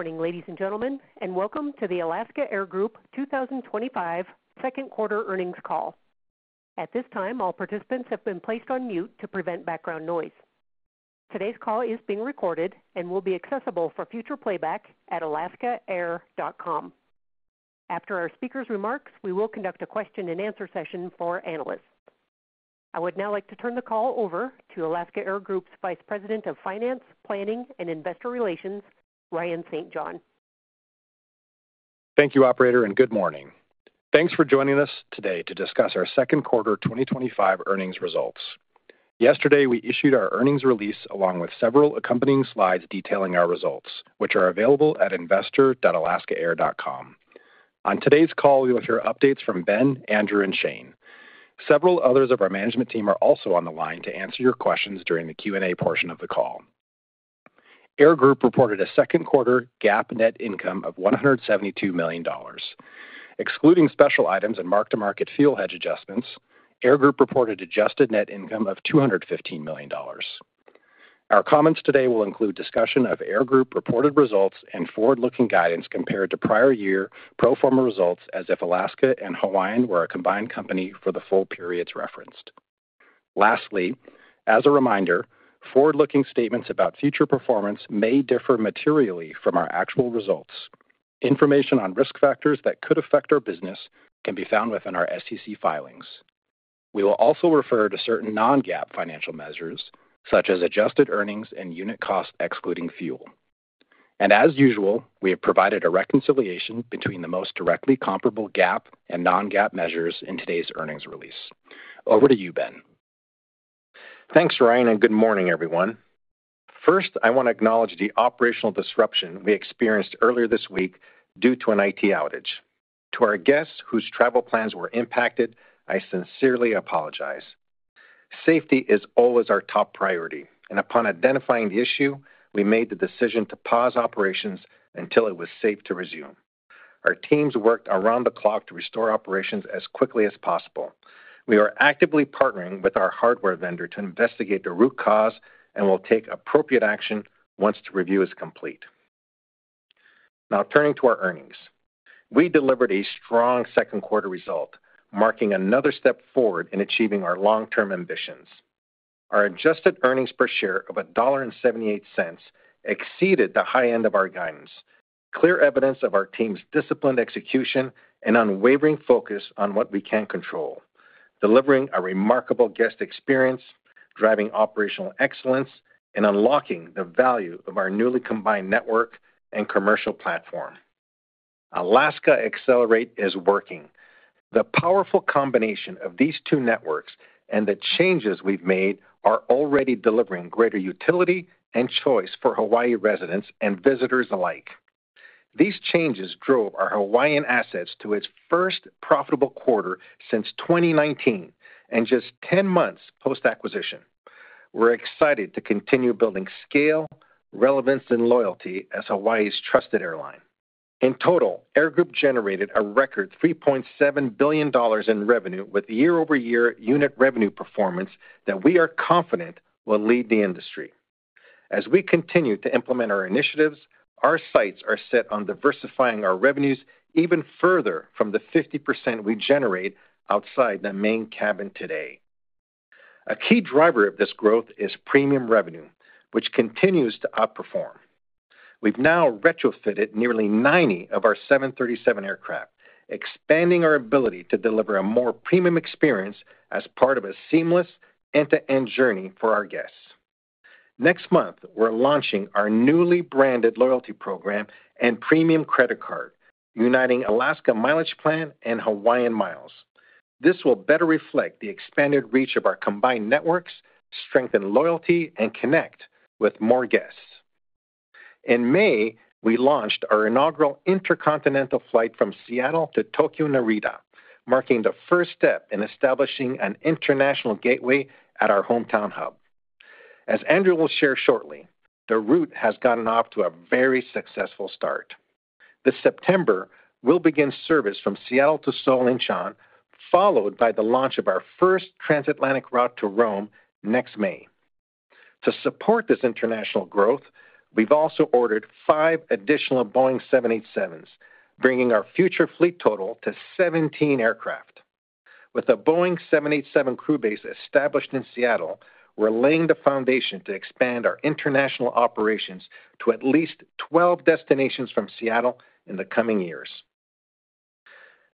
Good morning ladies and gentlemen and welcome to the Alaska Air Group 2025 Second Quarter Earnings Call. At this time, all participants have been placed on mute to prevent background noise. Today's call is being recorded and will be accessible for future playback at alaskaair.com. After our speakers' remarks, we will conduct a question and answer session for analysts. I would now like to turn the call over to Alaska Air Group's Vice President of Finance, Planning and Investor Relations, Ryan St. John. Thank you, Operator, and good morning. Thanks for joining us today to discuss our second quarter 2025 earnings results. Yesterday we issued our earnings release along with several accompanying slides detailing our results, which are available at investor.alaskaair.com. On today's call you will hear updates from Ben, Andrew, and Shane. Several others of our management team are also on the line to answer your questions. During the Q&A portion of the call, Air Group reported a second quarter GAAP net income of $172 million, excluding special items and mark-to-market fuel hedge adjustments. Air Group reported adjusted net income of $215 million. Our comments today will include discussion of Air Group reported results and forward-looking guidance compared to prior year pro forma results as if Alaska and Hawaiian were a combined company for the full periods referenced. Lastly, as a reminder, forward-looking statements about future performance may differ materially from our actual results. Information on risk factors that could affect our business can be found within our SEC filings. We will also refer to certain non-GAAP financial measures such as adjusted earnings and unit cost excluding fuel. As usual, we have provided a reconciliation between the most directly comparable GAAP and non-GAAP measures in today's earnings release. Over to you, Ben. Thanks, Ryan, and good morning, everyone. First, I want to acknowledge the operational disruption we experienced earlier this week due to an IT outage. To our guests whose travel plans were impacted, I sincerely apologize. Safety is always our top priority, and upon identifying the issue, we made the decision to pause operations until it was safe to resume. Our teams worked around the clock to restore operations as quickly as possible. We are actively partnering with our hardware vendor to investigate the root cause and will take appropriate action once the review is complete. Now turning to our earnings, we delivered a strong second quarter result, marking another step forward in achieving our long-term ambitions. Our adjusted earnings per share of $1.78 exceeded the high end of our guidance. Clear evidence of our team's disciplined execution and unwavering focus on what we can control, delivering a remarkable guest experience, driving operational excellence, and unlocking the value of our newly combined network and commercial platform. Alaska Accelerate is working. The powerful combination of these two networks and the changes we've made are already delivering greater utility and choice for Hawaii residents and visitors alike. These changes drove our Hawaiian assets to its first profitable quarter since 2019 and just 10 months post acquisition. We're excited to continue building scale, relevance, and loyalty as Hawaii's trusted airline. In total, Air Group generated a record $3.7 billion in revenue with year-over-year unit revenue performance that we are confident will lead the industry. As we continue to implement our initiatives, our sights are set on diversifying our revenues even further from the 50% we generate outside the main cabin today. A key driver of this growth is premium revenue, which continues to outperform. We've now retrofitted nearly 90 of our 737 aircraft, expanding our ability to deliver a more premium experience as part of a seamless end-to-end journey for our guests. Next month we're launching our newly branded loyalty program and premium credit card, uniting Alaska Mileage Plan and HawaiianMiles. This will better reflect the expanded reach of our combined networks, strengthen loyalty, and connect with more guests. In May, we launched our inaugural intercontinental flight from Seattle to Tokyo Narita, marking the first step in establishing an international gateway at our hometown hub. As Andrew will share shortly, the route has gotten off to a very successful start. This September, we'll begin service from Seattle to Seoul Incheon, followed by the launch of our first transatlantic route to Rome next May. To support this international growth, we've also ordered five additional Boeing 787s, bringing our future fleet total to 17 aircraft. With the Boeing 787 crew base established in Seattle, we're laying the foundation to expand our international operations to at least 12 destinations from Seattle in the coming years.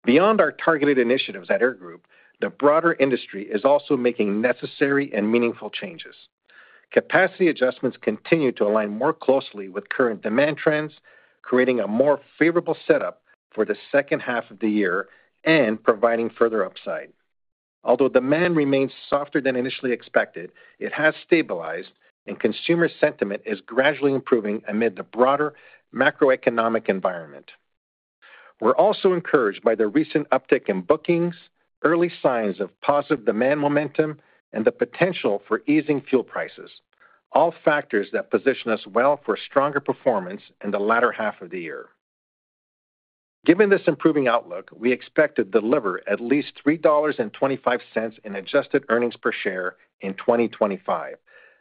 Beyond our targeted initiatives at Air Group, the broader industry is also making necessary and meaningful changes. Capacity adjustments continue to align more closely with current demand trends, creating a more favorable setup for the second half of the year and providing further upside. Although demand remains softer than initially expected, it has stabilized and consumer sentiment is gradually improving amid the broader macroeconomic environment. We're also encouraged by the recent uptick in bookings, early signs of positive demand momentum, and the potential for easing fuel prices, all factors that position us well for stronger performance in the latter half of the year. Given this improving outlook, we expect to deliver at least $3.25 in adjusted earnings per share in 2025,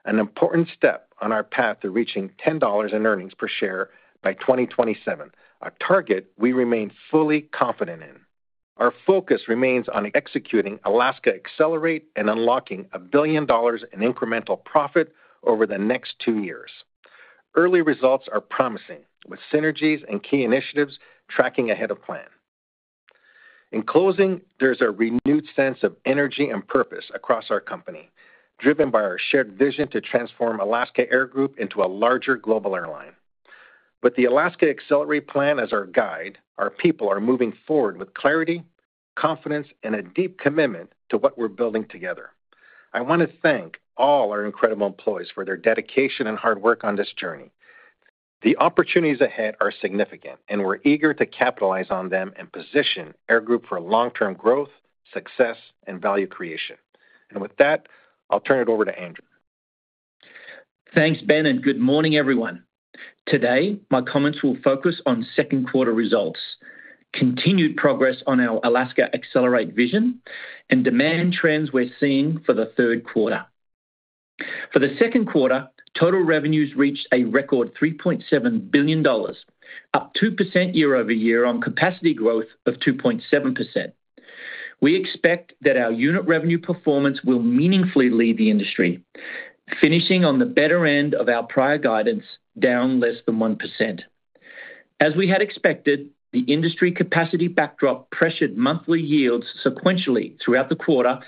an important step on our path to reaching $10 in earnings per share by 2027, a target we remain fully confident in. Our focus remains on executing Alaska Accelerate and unlocking a billion dollars in incremental profit over the next two years. Early results are promising, with synergies and key initiatives tracking ahead of plan. In closing, there's a renewed sense of energy and purpose across our company, driven by our shared vision to transform Alaska Air Group into a larger global airline. With the Alaska Accelerate plan as our guide, our people are moving forward with clarity, confidence, and a deep commitment to what we're building together. I want to thank all our incredible employees for their dedication and hard work on this journey. The opportunities ahead are significant, and we're eager to capitalize on them and position Air Group for long-term growth, success, and value creation. With that, I'll turn it over to Andrew. Thanks Ben and good morning everyone. Today my comments will focus on second quarter results, continued progress on our Alaska Accelerate vision, and demand trends we're seeing for the third quarter. For the second quarter, total revenues reached a record $3.7 billion, up 2% year-over-year on capacity growth of 2.7%. We expect that our unit revenue performance will meaningfully lead the industry, finishing on the better end of our prior guidance, down less than 1%. As we had expected, the industry capacity backdrop pressured monthly yields sequentially throughout the quarter,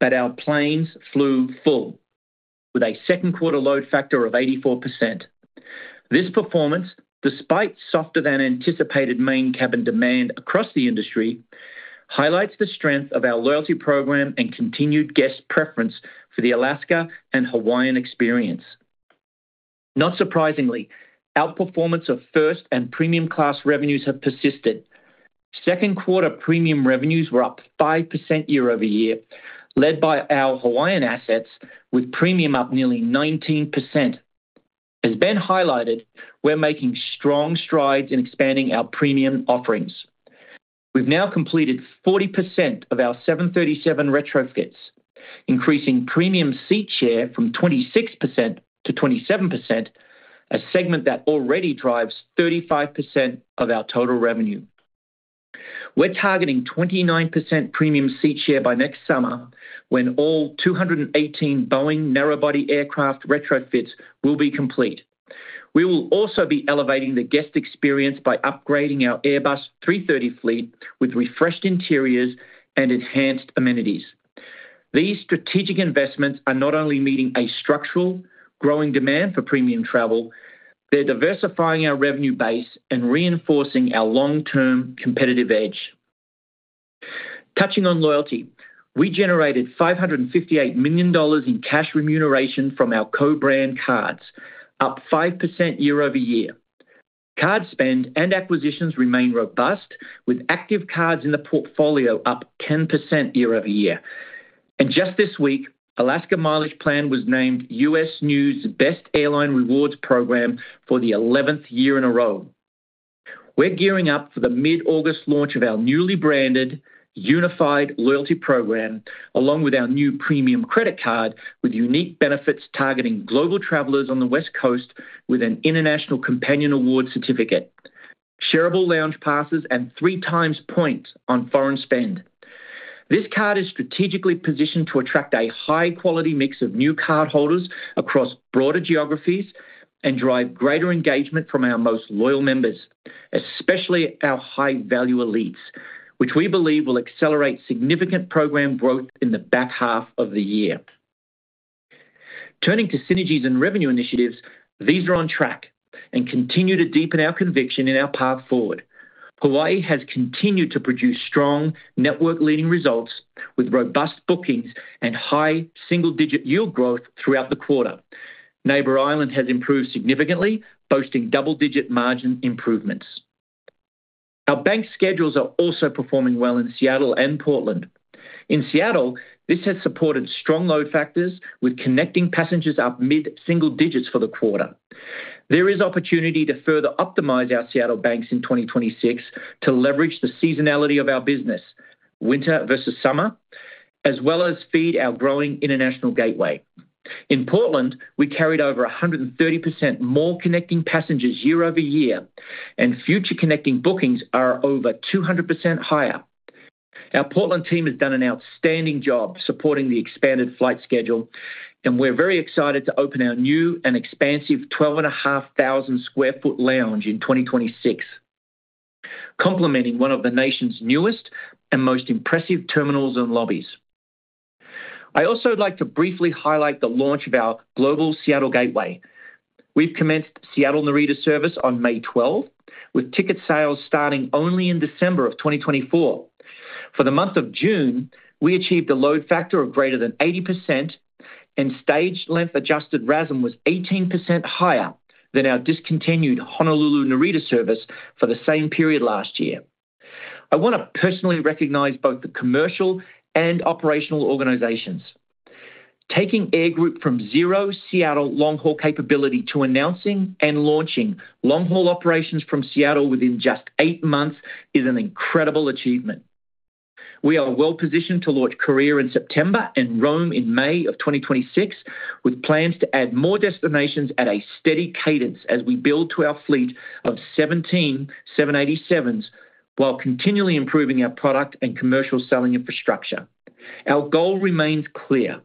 but our planes flew full with a second quarter load factor of 84%. This performance, despite softer than anticipated main cabin demand across the industry, highlights the strength of our loyalty program and continued guest preference for the Alaska and Hawaiian experience. Not surprisingly, outperformance of First and Premium Class revenues have persisted. Second quarter premium revenues were up 5% year-over-year, led by our Hawaiian assets, with Premium up nearly 19%. As Ben highlighted, we're making strong strides in expanding our premium offerings. We've now completed 40% of our 737 retrofits, increasing premium seat share from 26% to 27%, a segment that already drives 35% of our total revenue. We're targeting 29% premium seat share by next summer when all 218 Boeing narrow-body aircraft retrofits will be complete. We will also be elevating the guest experience by upgrading our Airbus 330 fleet with refreshed interiors and enhanced amenities. These strategic investments are not only meeting a structurally growing demand for premium travel, they're diversifying our revenue base and reinforcing our long term competitive edge. Touching on loyalty, we generated $558 million in cash remuneration from our co-brand cards, up 5% year-over-year. Card spend and acquisitions remain robust with active cards in the portfolio up 10% year-over-year, and just this week, Alaska Mileage Plan was named U.S. News Best Airline Rewards Program for the 11th year in a row. We're gearing up for the mid-August launch of our newly branded unified loyalty program along with our new premium credit card with unique benefits targeting global travelers on the West Coast. With an international Competitive Companion Award certificate, shareable lounge passes, and three times points on foreign spend, this card is strategically positioned to attract a high quality mix of new cardholders across broader geographies and drive greater engagement from our most loyal members, especially our high-value elites, which we believe will accelerate significant program growth in the back half of the year. Turning to synergies and revenue initiatives, these are on track and continue to deepen our conviction in our path forward. Hawaii has continued to produce strong network leading results with robust bookings and high single-digit yield growth throughout the quarter. Neighbor island has improved significantly, boasting double-digit margin improvements. Our bank schedules are also performing well in Seattle and Portland. In Seattle, this has supported strong load factors with connecting passengers up mid-single digits for the quarter. There is opportunity to further optimize our Seattle banks in 2026 to leverage the seasonality of our business, winter versus summer, as well as feed our growing international gateway. In Portland, we carried over 130% more connecting passengers year-over-year and future connecting bookings are over 200% higher. Our Portland team has done an outstanding job supporting the expanded flight schedule and we're very excited to open our new and expansive 12,500 sq ft lounge in 2026, complementing one of the nation's newest and most impressive terminals and lobbies. I also like to briefly highlight the launch of our global Seattle Gateway. We've commenced Seattle-Narita service on May 12th with ticket sales starting only in December of 2024. For the month of June, we achieved a load factor of greater than 80% and stage-length-adjusted RASM was 18% higher than our discontinued Honolulu-Narita service for the same period last year. I want to personally recognize both the commercial and operational organizations. Taking Air Group from zero Seattle long-haul capability to announcing and launching long-haul operations from Seattle within just eight is an incredible achievement. We are well positioned to launch Korea in September and Rome in May of 2026 with plans to add more destinations at a steady cadence as we build to our fleet of 17 787s while continually improving our product and commercial selling infrastructure. Our goal remains clear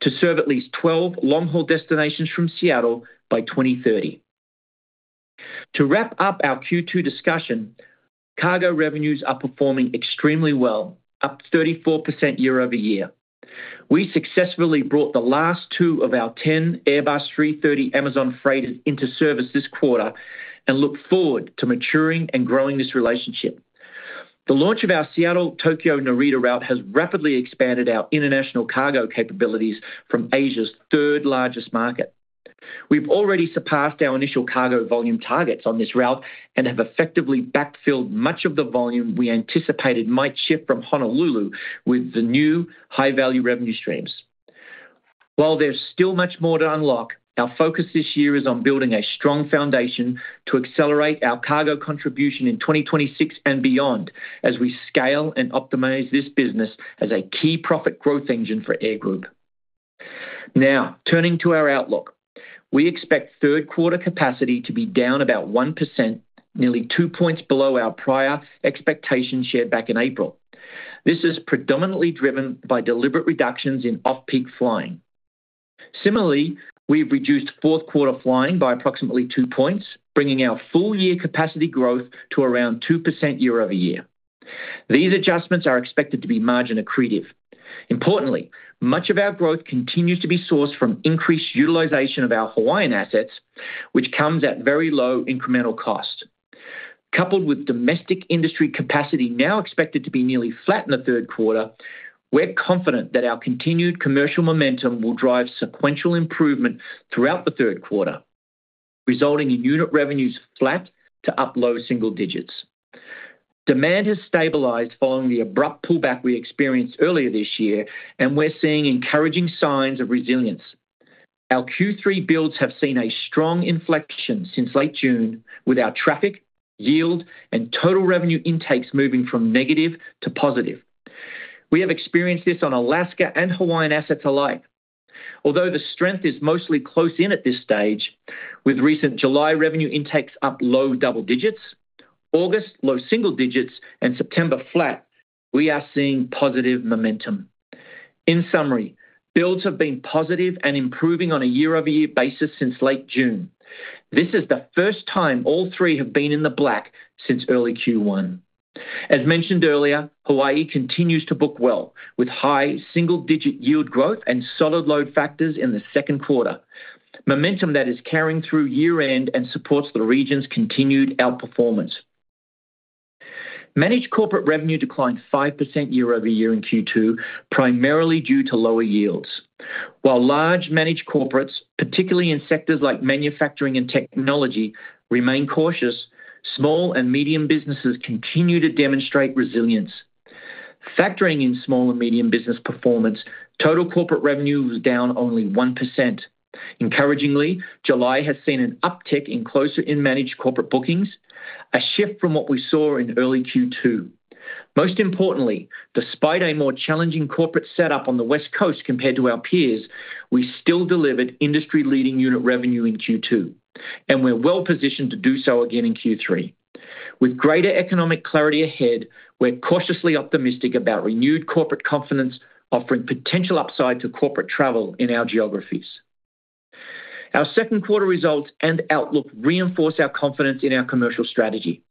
to serve at least 12 long-haul destinations from Seattle by 2030. To wrap up our Q2 discussion, cargo revenues are performing extremely well, up 34% year-over-year. We successfully brought the last two of our Airbus 330 Amazon freighters into service this quarter and look forward to maturing and growing this relationship. The launch of our Seattle-Tokyo Narita route has rapidly expanded our international cargo capabilities from Asia's third largest market. We've already surpassed our initial cargo volume targets on this route and have effectively backfilled much of the volume we anticipated might shift from Honolulu with the new high-value revenue streams. While there's still much more to unlock, our focus this year is on building a strong foundation to accelerate our cargo contribution in 2026 and beyond as we scale and optimize this business as a key profit growth engine for Air Group. Now turning to our outlook, we expect third quarter capacity to be down about 1%, nearly two points below our prior expectations shared back in April. This is predominantly driven by deliberate reductions in off-peak flying. Similarly, we have reduced fourth quarter flying by approximately 2 points, bringing our full year capacity growth to around 2% year-over-year. These adjustments are expected to be margin accretive. Importantly, much of our growth continues to be sourced from increased utilization of our Hawaiian assets, which comes at very low incremental cost. Coupled with domestic industry capacity now expected to be nearly flat in the third quarter, we're confident that our continued commercial momentum will drive sequential improvement throughout the third quarter resulting in unit revenues flat to up low single digits. Demand has stabilized following the abrupt pullback we experienced earlier this year and we're seeing encouraging signs of resilience. Our Q3 builds have seen a strong inflection since late June with our traffic yield and total revenue intakes moving from negative to positive. We have experienced this on Alaska and Hawaiian assets alike, although the strength is mostly close in at this stage. With recent July revenue intakes up low double digits, August low single digits, and September flat, we are seeing positive momentum. In summary, builds have been positive and improving on a year-over-year basis since late June. This is the first time all three have been in the black since early Q1. As mentioned earlier, Hawaii continues to book well with high single digit yield growth and solid load factors in the second quarter, momentum that is carrying through year end and supports the region's continued outperformance. Managed corporate revenue declined 5% year-over-year in Q2 primarily due to lower yields. While large managed corporates, particularly in sectors like manufacturing and technology, remain cautious, small and medium businesses continue to demonstrate resilience. Factoring in small and medium business performance, total corporate revenue was down only 1%. Encouragingly, July has seen an uptick in closer in managed corporate bookings, a shift from what we saw in early Q2. Most importantly, despite a more challenging corporate setup on the West Coast compared to our peers, we still delivered industry leading unit revenue in Q2 and we're well positioned to do so again in Q3. With greater economic clarity ahead, we're cautiously optimistic about renewed corporate confidence, offering potential upside to corporate travel in our geographies. Our second quarter results and outlook reinforce our confidence in our commercial strategy.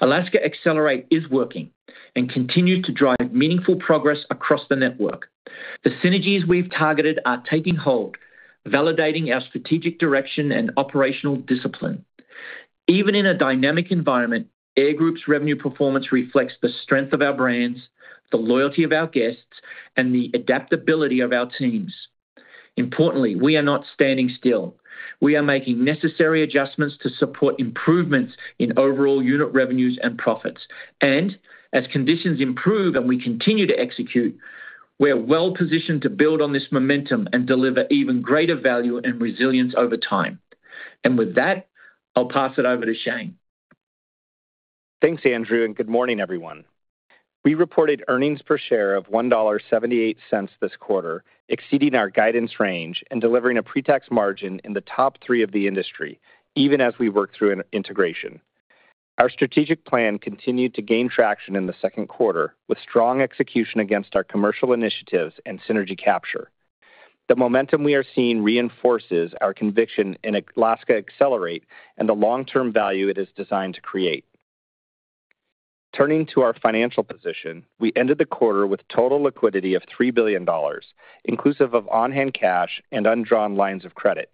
Alaska Accelerate is working and continues to drive meaningful progress across the network. The synergies we've targeted are taking hold, validating our strategic direction and operational discipline. Even in a dynamic environment, Air Group's revenue performance reflects the strength of our brands, the loyalty of our guests, and the adaptability of our teams. Importantly, we are not standing still. We are making necessary adjustments to support improvements in overall unit revenues and profits. As conditions improve and we continue to execute, we're well positioned to build on this momentum and deliver even greater value and resilience over time. With that, I'll pass it over to Shane. Thanks Andrew and good morning everyone. We reported earnings per share of $1.78 this quarter, exceeding our guidance range and delivering a pre-tax margin in the top three of the industry. Even as we work through an integration, our strategic plan continued to gain traction in the second quarter with strong execution against our commercial initiatives and synergy capture. The momentum we are seeing reinforces our conviction in Alaska Accelerate and the long-term value it is designed to create. Turning to our financial position, we ended the quarter with total liquidity of $3 billion inclusive of on-hand cash and undrawn lines of credit.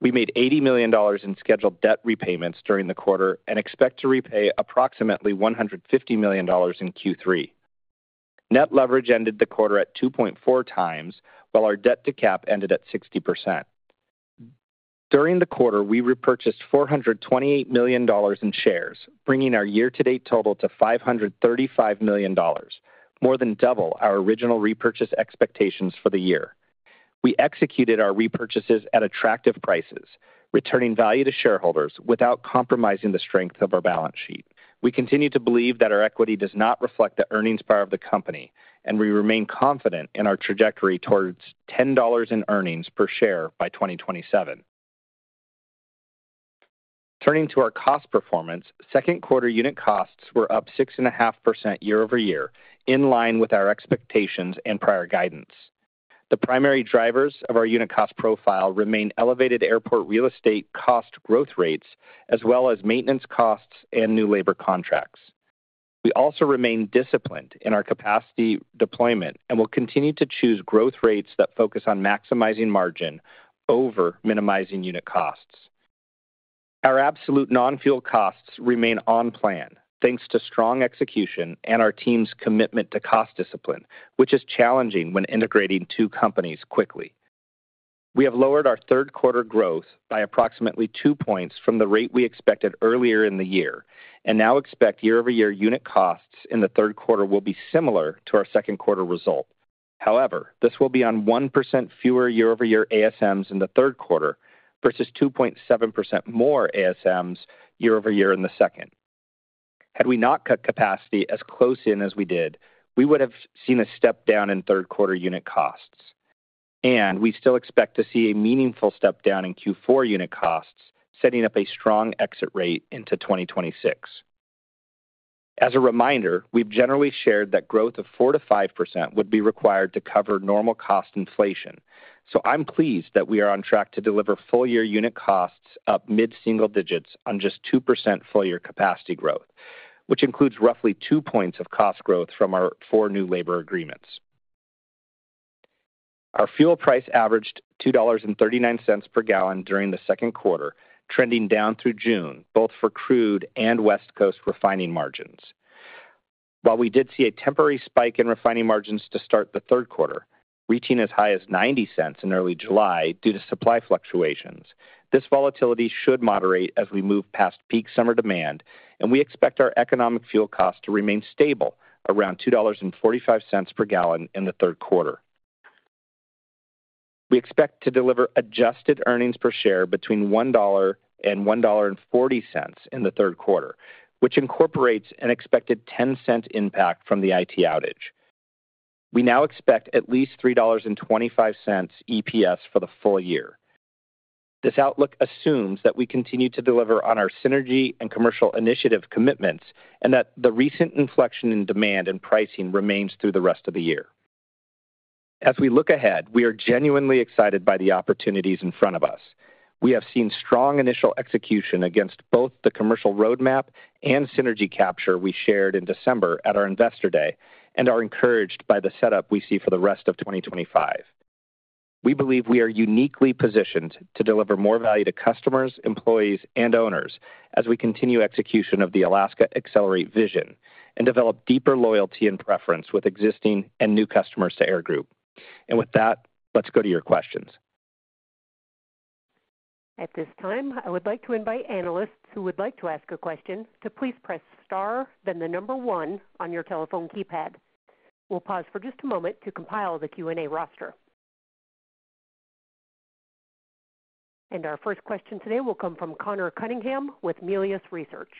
We made $80 million in scheduled debt repayments during the quarter and expect to repay approximately $150 million in Q3. Net leverage ended the quarter at 2.4 times while our debt to cap ended at 60%. During the quarter, we repurchased $428 million in shares, bringing our year-to-date total to $535 million, more than double our original repurchase expectations for the year. We executed our repurchases at attractive prices, returning value to shareholders without compromising the strength of our balance sheet. We continue to believe that our equity does not reflect the earnings power of the company and we remain confident in our trajectory towards $10 in earnings per share by 2027. Turning to our cost performance, second quarter unit costs were up 6.5% year-over-year in line with our expectations and prior guidance. The primary drivers of our unit cost profile remain elevated airport real estate cost growth rates as well as maintenance costs and new labor contracts. We also remain disciplined in our capacity deployment and will continue to choose growth rates that focus on maximizing margin over minimizing unit costs. Our absolute non-fuel costs remain on plan thanks to strong execution and our team's commitment to cost discipline, which is challenging when integrating two companies quickly. We have lowered our third quarter growth by approximately 2 points from the rate we expected earlier in the year and now expect year-over-year unit costs in the third quarter will be similar to our second quarter result. However, this will be on 1% fewer year-over-year ASMs in the third quarter versus 2.7% more ASMs year-over-year in the second. Had we not cut capacity as close in as we did, we would have seen a step down in third quarter unit costs, and we still expect to see a meaningful step down in Q4 unit costs, setting up a strong exit rate into 2026. As a reminder, we've generally shared that growth of 4-5% would be required to cover normal cost inflation. I'm pleased that we are on track to deliver full year unit costs up mid-single digits on just 2% full year capacity growth, which includes roughly 2 points of cost growth from our four new labor agreements. Our fuel price averaged $2.39 per gallon during the second quarter, trending down through June both for crude and West Coast refining margins. We did see a temporary spike in refining margins to start the third quarter, reaching as high as $0.90 in early July due to supply fluctuations. This volatility should moderate as we move past peak summer demand, and we expect our economic fuel cost to remain stable around $2.45 per gallon in the third quarter. We expect to deliver adjusted earnings per share between $1 and $1.40 in the third quarter, which incorporates an expected $0.10 impact from the IT outage. We now expect at least $3.25 EPS for the full year. This outlook assumes that we continue to deliver on our synergy and commercial initiative commitments and that the recent inflection in demand and pricing holds for the rest of the year. As we look ahead, we are genuinely excited by the opportunities in front of us. We have seen strong initial execution against both the commercial roadmap and synergy capture we shared in December at our Investor Day and are encouraged by the setup we see for the rest of 2025. We believe we are uniquely positioned to deliver more value to customers, employees, and owners as we continue execution of the Alaska Accelerate plan and develop deeper loyalty and preference with existing and new customers to Air Group. With that, let's go to your questions. At this time, I would like to invite analysts who would like to ask a question to please press star, then the number one on your telephone keypad. We'll pause for just a moment to compile the Q&A roster, and our first question today will come from Conor Cunningham with Melius Research.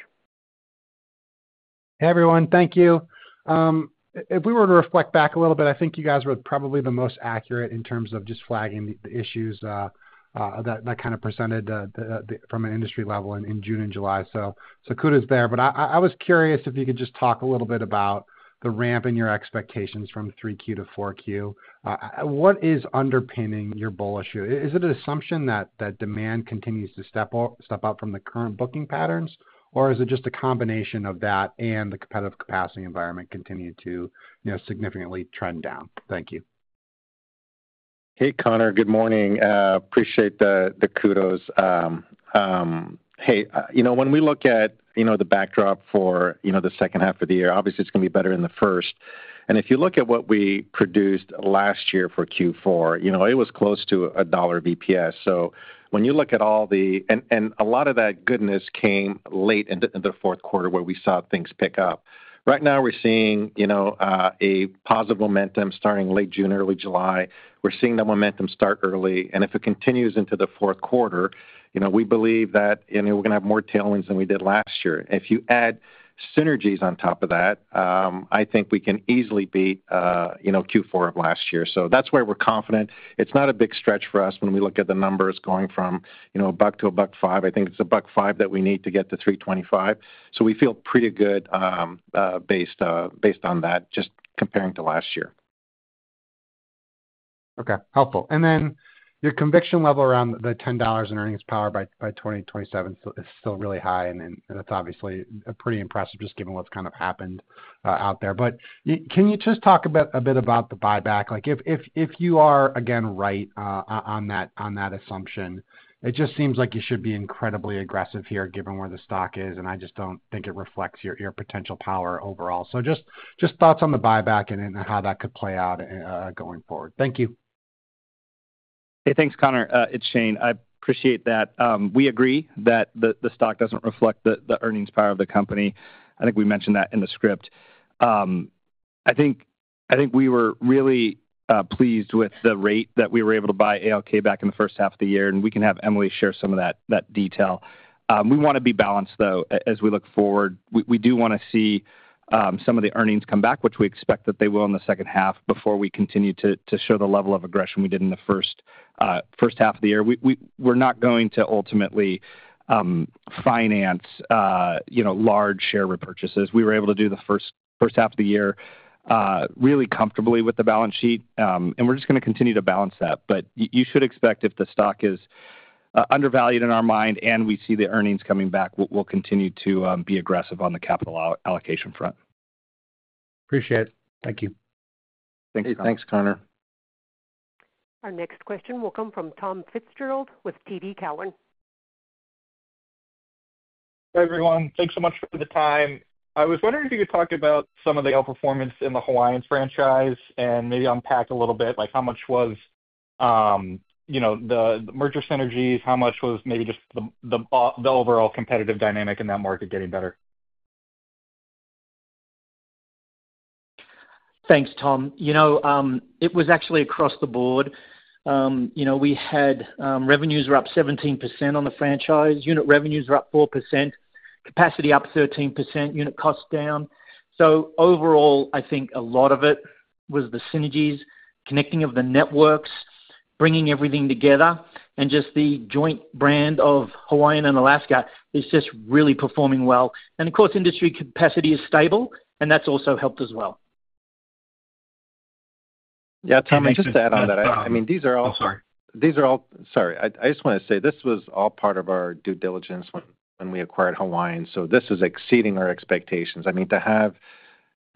Hey everyone. Thank you. If we were to reflect back a little bit, I think you guys were probably the most accurate in terms of just flagging the issues that kind of presented from an industry level in June and July. Kudos there. I was curious if you could just talk a little bit about the ramp in your expectations from 3Q to 4Q. What is underpinning your bullish? Is it an assumption that demand continues to step up from the current booking patterns, or is it just a combination of that and the competitive capacity environment continuing to significantly trend down? Thank you. Hey Conor, good morning. Appreciate the kudos. When we look at the backdrop for the second half of the year, obviously it's going to be better than the first, and if you look at what we produced last year for Q4, it was close to $1 EPS. When you look at all the, and a lot of that goodness came late into the fourth quarter where we saw things pick up. Right now we're seeing a positive momentum starting late June, early July, we're seeing that momentum start early. If it continues into the fourth quarter, we believe that we're going to have more tailwinds than we did last year. If you add synergies on top of that, I think we can easily beat Q4 of last year. That's where we're confident it's not a big stretch for us. When we look at the numbers going from $1 to $1.05, I think it's $1.05 that we need to get to $3.25. We feel pretty good based on that just comparing to last year. Okay, helpful. Your conviction level around the $10 in earnings power by 2027 is still really high and that's obviously pretty impressive just given what's kind of happened out there. Can you just talk a bit about the buyback if you are again right on that assumption? It just seems like you should be incredibly aggressive here given where the stock is, and I just don't think it. Reflects your potential power overall. for your thoughts on the buyback and how that could play out going forward. Hey, thanks, Conor. It's Shane. I appreciate that. We agree that the stock doesn't reflect the earnings power of the company. I think we mentioned that in the script. I think we were really pleased with the rate that we were able to buy ALK back in the first half of the year. We can have Emily share some of that detail. We want to be balanced, though, as we look forward. We do want to see some of the earnings come back, which we expect that they will in the second half. Before we continue to show the level of aggression we did in the first half of the year, we're not going to ultimately finance large share repurchases. We were able to do the first half of the year really comfortably with the balance sheet and we're just going to continue to balance that. You should expect if the stock is undervalued in our mind and we see the earnings coming back, we'll continue to be aggressive on the capital allocation front. Appreciate it. Thank you. Thanks, Conor. Our next question will come from Tom Fitzgerald with TD Cowen. Everyone, thanks so much for the time. I was wondering if you could talk about some of the outperformance in the Hawaiian franchise and maybe unpack a little bit. Like how much was, you know, the merger synergies? How much was maybe just the overall competitive dynamic in that market getting better. Thanks, Tom. It was actually across the board. Revenues are up 17% on the franchise unit, revenues are up 4%, capacity up 13%, unit costs down. Overall, I think a lot of it was the synergies connecting of the networks, bringing everything together. The joint brand of Hawaiian and Alaska is just really performing well. Industry capacity is stable, and that's also helped as well. Yeah, Tom, just to add on that. These are all. These are all. Sorry. I just want to say this was all part of our due diligence when we acquired Hawaiian. This is exceeding our expectations. I mean, to have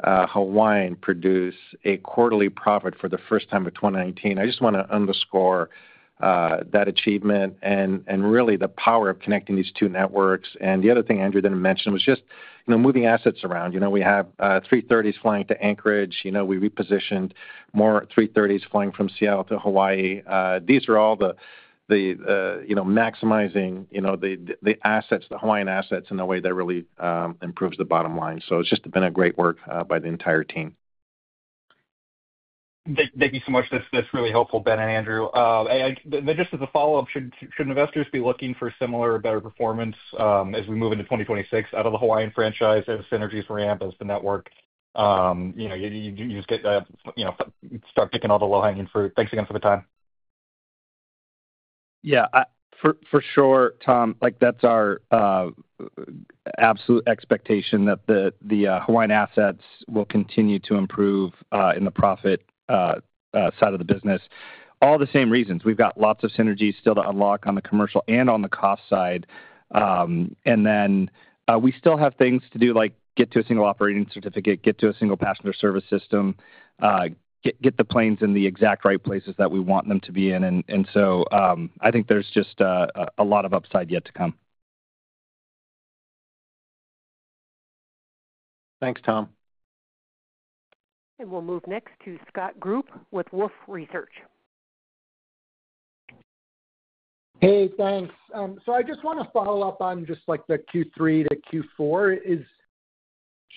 Hawaiian produce a quarterly profit for the first time in 2019, I just want to underscore that achievement and really the power of connecting these two networks. The other thing Andrew didn't mention was just moving assets around. We have 330s flying to Anchorage. We repositioned more 330s flying from Seattle to Hawaii. These are all maximizing the assets, the Hawaiian assets, in a way that really improves the bottom line. It's just been great work by the entire team. Thank you so much, that's really helpful. Ben and Andrew, just as a follow-up, should investors be looking for similar or better performance as we move into 2026 out of the Hawaiian franchise as synergies ramp as the network starts picking all the low hanging fruit. Thanks again for the time. Yeah, for sure, Tom. That's our absolute expectation that the Hawaiian assets will continue to improve in the profit side of the business. All the same reasons, we've got lots of synergies still to unlock on the commercial and on the cost side, and we still have things to do like get to a single operating certificate, get to a single passenger service system, get the planes in the exact right places that we want them to be in. I think there's just a lot of upside yet to come. Thanks Tom. We will move next to Scott Group with Wolfe Research. Thank you. I just want to follow up on just like the Q3 to Q4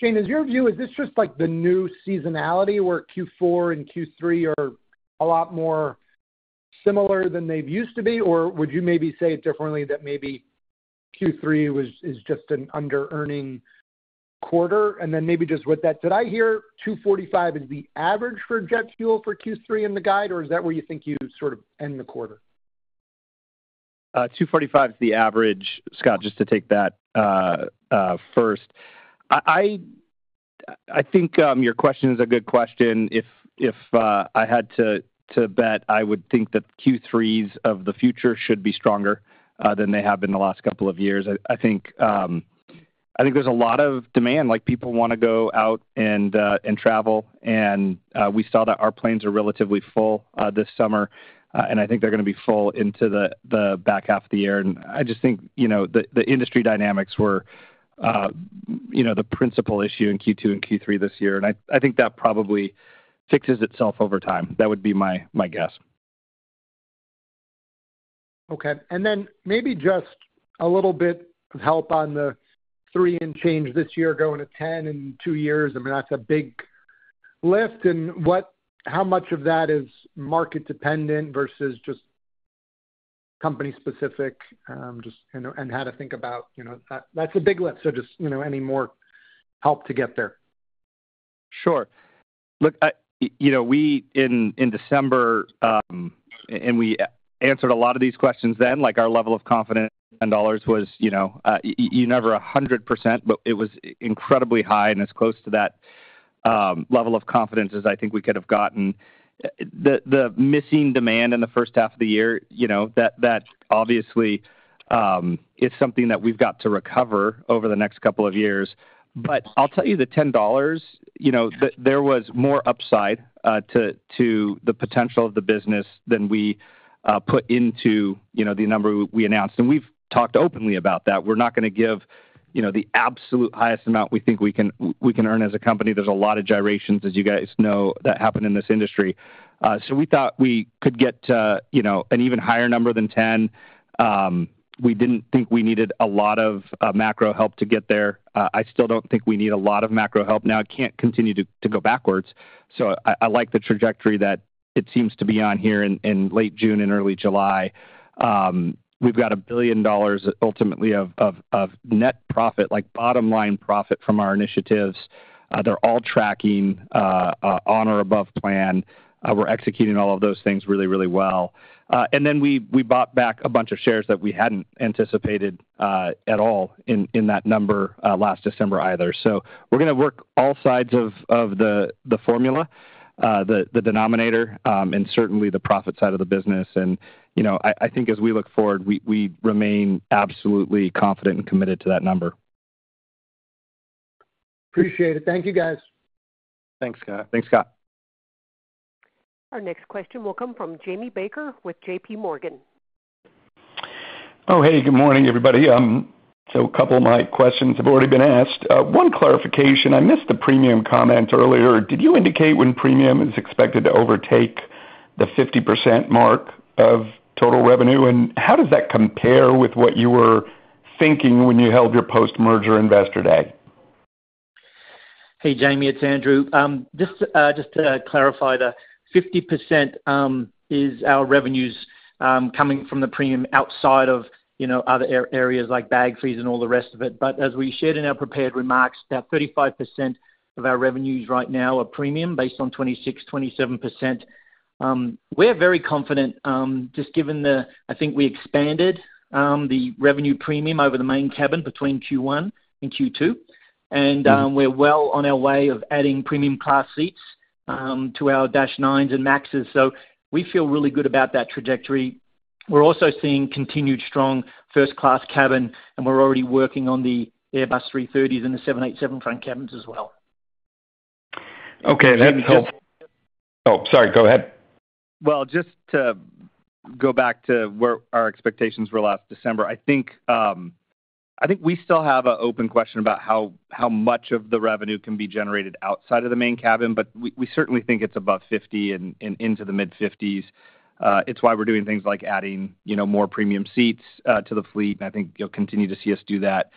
is, Shane, is your view, is this just like the new seasonality where Q4 and Q3 are a lot more similar than it used to be or would you maybe say it differently, that maybe Q3 was just an under-earning quarter, and then maybe just with that, did I hear $2.45 is the average for jet fuel for Q3 in the guide or is that where you think you sort of end the quarter? $2.45 is the average, Scott. Just to take that first, I think your question is a good question. If I had to bet, I would think that Q3s of the future should be stronger than they have been the last couple of years. I think there's a lot of demand, like people want to go out and travel, and we saw that our planes are relatively full this summer. I think they're going to be full into the back half of the year. I just think the industry dynamics were the principal issue in Q2 and Q3 this year, and I think that probably fixes itself over time. That would be my guess. Okay. Maybe just a little bit of help on the $3 and change this year going to $10 in two years, I mean, that's a big lift. How much of that is market dependent versus just company specific, just how to think about, you know. That's a big list. Just, you know, any more help to get there? Sure. Look, you know we in December and we answered a lot of these questions then, like our level of confidence was, you know, never 100%, but it was incredibly high and as close to that level of confidence as I think we could have gotten. The missing demand in the first half of the year, that obviously is something that we've got to recover over the next couple of years. I'll tell you, the $10, there was more upside to the potential of the business than we put into the number we announced, and we've talked openly about that. We're not going to give the absolute highest amount we think we can earn as a company. There's a lot of gyrations, as you guys know, that happen in this industry. We thought we could get an even higher number than $10. We didn't think we needed a lot of macro help to get there. I still don't think we need a lot of macro help now. It can't continue to go backwards. I like the trajectory that it seems to be on here in late June and early July. We've got $1 billion ultimately of net profit, like bottom line profit from our initiatives. They're all tracking on or above plan. We're executing all of those things really, really well. We bought back a bunch of shares that we hadn't anticipated at all in that number last December either. We're going to work all sides of the formula, the denominator and certainly the profit side of the business. I think as we look forward, we remain absolutely confident and committed to that number. Appreciate it. Thank you, guys. Thanks, Scott. Thanks, Scott. Our next question will come from Jamie Baker with JPMorgan. Good morning everybody. A couple of my questions have already been asked. One clarification: I missed the premium comment earlier. Did you indicate when premium is expected to overtake the 50% mark of total revenue? How does that compare with what you were thinking when you held your post-merger investor day? Hey Jamie, it's Andrew. Just to clarify, that 50% is our revenues coming from the premium outside of, you know, other areas like bag fees and all the rest of it. As we shared in our prepared remarks, about 35% of our revenues right now are premium based on 26%, 27%. We're very confident just given the, I think we expanded the revenue premium over the main cabin between Q1 and Q2, and we're well on our way of adding premium class seats to our -9s and MAXs. We feel really good about that trajectory. We're also seeing continued strong first class cabin, and we're already working on the Airbus 330s and the 787 front cabins as well. Okay, sorry. Go ahead. To go back to where our expectations were last December, I think we still have an open question about how much of the revenue can be generated outside of the main cabin. We certainly think it's above 50% and into the mid-50% range. It's why we're doing things like adding more premium seats to the fleet. I think you'll continue to see us do that.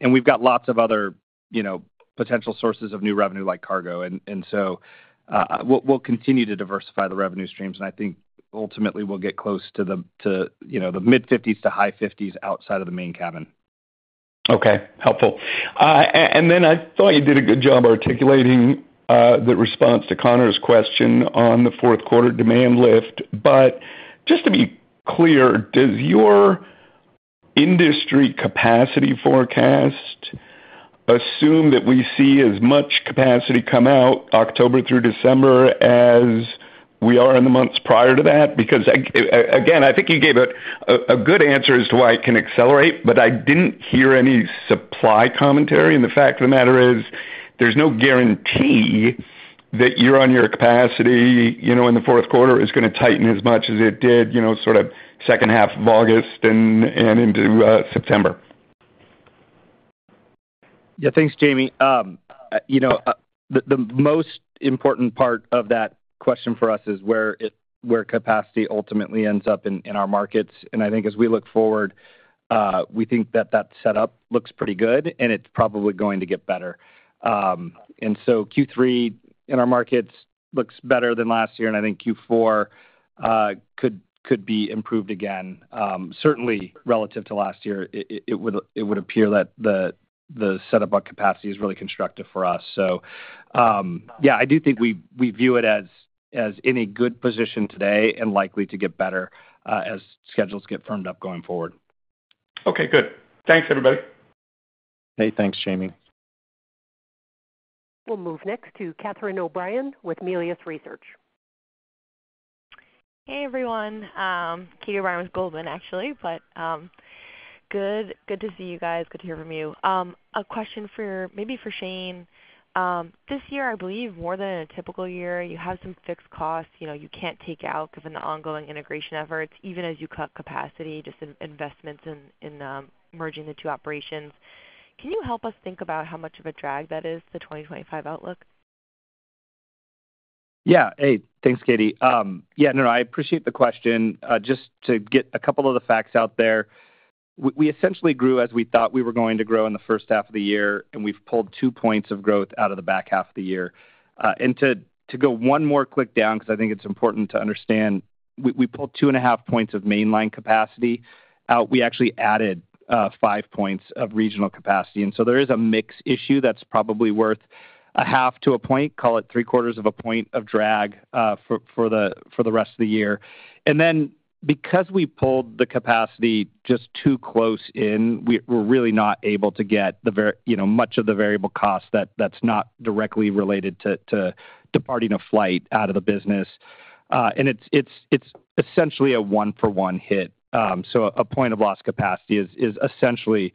We've got lots of other potential sources of new revenue like cargo, so we'll continue to diversify the revenue streams. I think ultimately we'll get close to the mid-50% to high-50% outside of the main cabin. Okay, helpful. I thought you did a good job articulating the response to Conor's question on the fourth quarter demand lift. Just to be clear, does your industry capacity forecast assume that we see as much capacity come out October through December as we are in the months prior to that? I think you gave it a good answer as to why it can accelerate, but I didn't hear any supply commentary. The fact of the matter is there's no guarantee that year-on-year capacity in the fourth quarter is going to tighten as much as it did, sort of second half of August and into September. Yeah, thanks, Jamie. The most important part of that question for us is where capacity ultimately ends up in our markets. I think as we look forward, we think that that setup looks pretty good and it's probably going to get better. Q3 in our markets looks better than last year, and I think Q4 could be improved again, certainly relative to last year. It would appear that the setup of capacity is really constructive for us. I do think we view it as in a good position today and likely to get better as schedules get firmed up going forward. Okay, good. Thanks, everybody. Hey, thanks, Jamie. We'll move next to Catherine O'Brien with Melius Research. Hey, everyone. Cate O'Brien with Goldman, actually, but good to see you guys. Good to hear from you. A question maybe for Shane. This year, I believe more than a typical year, you have some fixed costs you can't take out. Given the ongoing integration efforts, even as you cut capacity, just investments in merging the two operations. Can you help us think about how much of a drag that is, the 2025 outlook? Yeah, thanks, Catie. I appreciate the question. Just to get a couple of the facts out there, we essentially grew as we thought we were going to grow in the first half of the year, and we've pulled two points of growth out of the back half of the year. To go one more click down, because I think it's important to understand, we pulled 2.5 points of mainline capacity. We actually added five points of regional capacity, and so there is a mix issue that's probably worth 0.5-1 point. Call it three-quarters of a point of drag for the rest of the year. Because we pulled the capacity just too close in, we're really not able to get much of the variable cost that's not directly related to departing a flight out of the business, and it's essentially a one-for-one hit. A point of lost capacity is essentially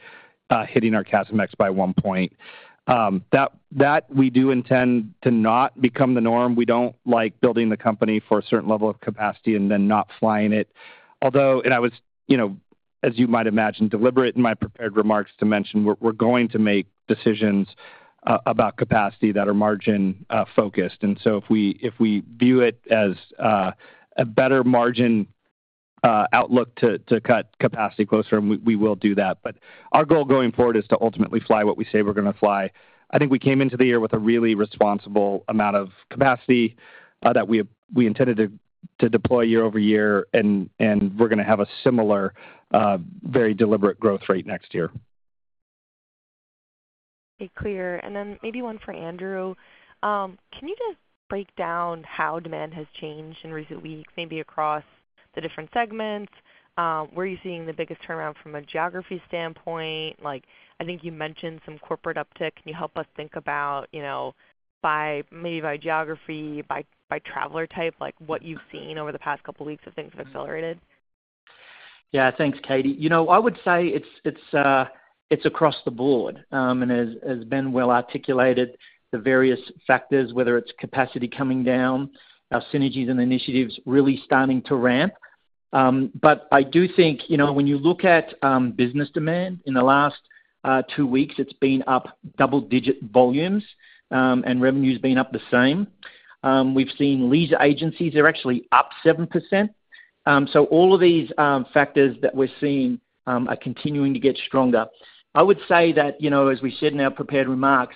hitting our CASMex by one point. That we do intend to not become the norm. We don't like building the company for a certain level of capacity and then not flying it. Although, as you might imagine, I was deliberate in my prepared remarks to mention we're going to make decisions about capacity that are margin focused. If we view it as a better margin outlook to cut capacity closer, we will do that. Our goal going forward is to ultimately fly what we say we're going to fly. I think we came into the year with a really responsible amount of capacity that we intended to deploy year-over-year, and we're going to have a similar very deliberate growth rate next year. Clear. Maybe one for Andrew. Can you just break down how demand has changed in recent weeks, maybe across the different segments? Where are you seeing the biggest turnaround from a geography standpoint? I think you mentioned some corporate uptick. Can you help us think about maybe by geography, by traveler type, like what you've seen over the past couple weeks, if things have accelerated? Yeah, thanks, Catie. I would say it's across the board, and as Ben well articulated, the various factors, whether it's capacity coming down, our synergies and initiatives really starting to ramp. I do think, when you look at business demand in the last two weeks, it's been up double-digit volumes, and revenue's been up the same. We've seen lease agencies are actually up 7%. All of these factors that we're seeing are continuing to get stronger. As we said in our prepared remarks,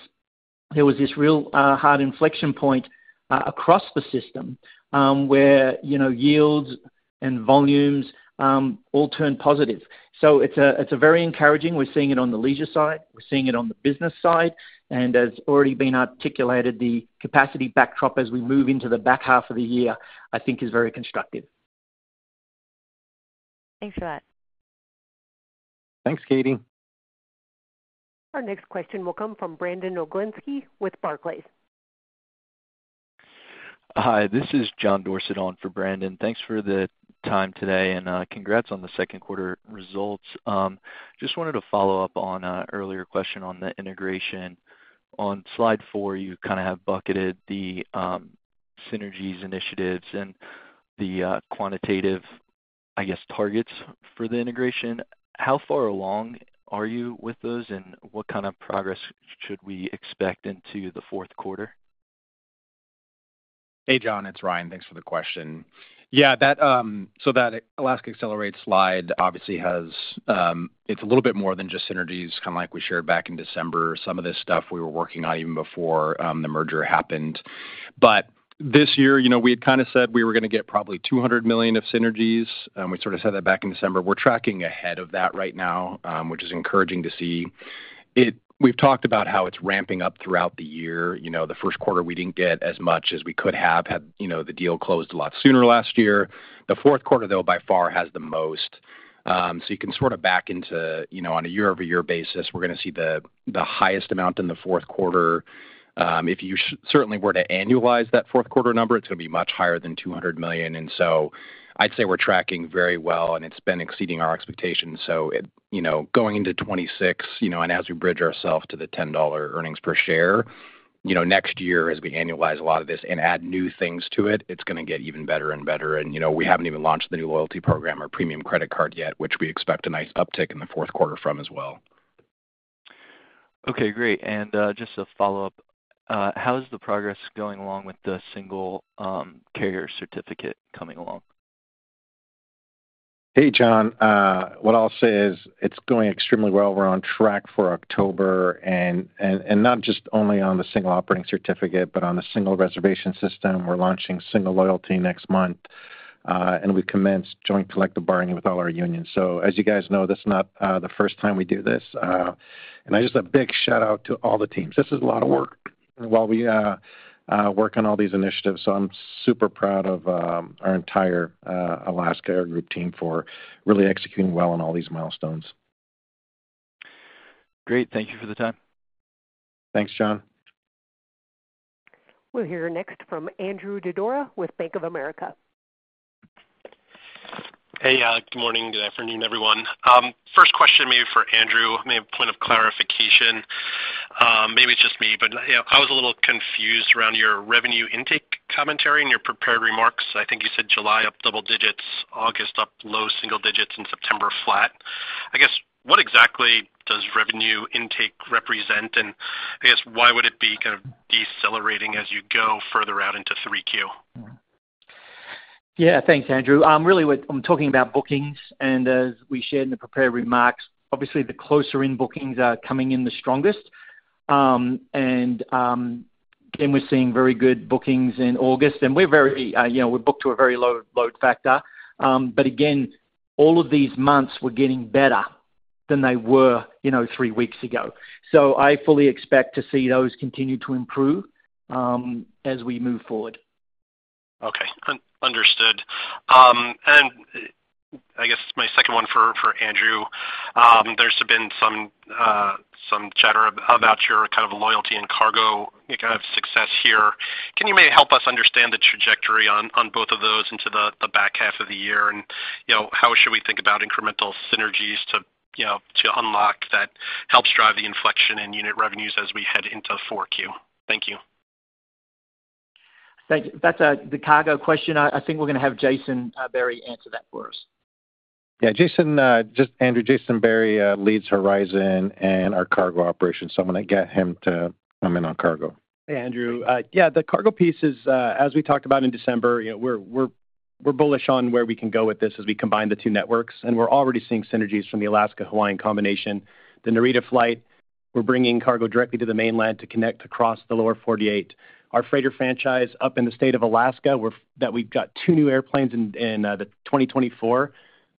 there was this real hard inflection point across the system where yields and volumes all turned positive. It's very encouraging. We're seeing it on the leisure side, we're seeing it on the business side, and as already been articulated, the capacity backdrop as we move into the back half of the year I think is very constructive. Thanks for that. Thanks, Catie. Our next question will come from Brandon Oglenski with Barclays. Hi, this is John Dorsett on for Brandon. Thanks for the time today and congrats on the second quarter results, just wanted to follow up on earlier question on the integration on slide 4. You kind of have bucketed the synergies. Initiatives and the quantitative, I guess, targets for the integration. How far along are you with those? What kind of progress should we expect into the fourth quarter? Hey John, it's Ryan. Thanks for the question. Yeah, so that Alaska Accelerate slide obviously has a little bit more than just synergies, kind of like we shared back in. December, some of this stuff we were. Working on even before the merger happened. This year, you know, we had kind of said we were going to. Get probably $200 million of synergies. We sort of said that back in December. We're tracking ahead of that right now, which is encouraging to see. We've talked about how it's ramping up throughout the year. The first quarter we didn't get as much as we could have had. You know, the deal closed a lot sooner last year. The fourth quarter, though, by far has the most. You can sort of back into, you know, on a year-over-year basis, we're going to see the highest amount in the fourth quarter if you certainly were to annualize that. Fourth quarter number, it's going to be. Much higher than $200 million. I'd say we're tracking very well and it's been exceeding our expectations. Going into 2026 and as we bridge ourselves to the $10 earnings per share next year, as we annualize a lot of this and add new things to it, it's going to get even better and better. We haven't even launched the new unified loyalty program or premium credit card yet, which we expect a nice uptick in the fourth quarter from as well. Okay, great. Just a follow up, how is. The progress going along with the single carrier certificate coming along? Hey, John, what I'll say is it's going extremely well. We're on track for October, and not just only on the single operating certificate, but on the single reservation system. We're launching single loyalty next month, and we commenced joint collective bargaining with all our unions. As you guys know, this is not the first time we do this. A big shout out to all the teams. This is a lot of work while we work on all these initiatives. I'm super proud of our entire Alaska Air Group team for really executing well on all these milestones. Great. Thank you for the time. Thanks, John. We'll hear next from Andrew Didora with Bank of America. Hey, good morning. Good afternoon, everyone. First question, maybe for Andrew, maybe a point of clarification. Maybe it's just me, but I was a little confused around your revenue intake commentary. In your prepared remarks, I think you said July up double digits, August up low single digits, and September flat. I guess what exactly does revenue intake represent? I guess why would it be kind of decelerating as you go further out into 3Q? Yeah, thanks, Andrew. I'm talking about bookings. As we shared in the prepared remarks, obviously the closer in bookings are coming in the strongest, and we're seeing very good bookings in August. We're very, you know, we're booked to a. Very low load factor. All of these months were getting better than they were, you know, three weeks ago. I fully expect to see those continue to improve as we move forward. Okay, understood. My second one for Andrew. There's been some chatter about your kind of loyalty and cargo success here. Can you maybe help us understand the trajectory on both of those into the back half of the year and how should we think about incremental synergies to unlock that helps drive the inflection in unit revenues as we head into 4Q? Thank you. That's the cargo question. I think we're going to have Jason Berry answer that for us. Yeah, Jason. Just Andrew. Jason Berry leads Horizon and our cargo operations. I'm going to get him to come in on cargo. Hey, Andrew. Yeah, the cargo piece is as we talked about in December. We're bullish on where we can go with this as we combine the two. Networks, and we're already seeing synergies from. The Alaska Hawaiian combination, the Narita flight. We're bringing cargo directly to the mainland to connect across the lower 48, our freighter franchise up in the state of Alaska, where we've got two new airplanes in 2024.